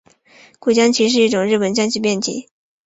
鬼将棋是一种日本将棋变体。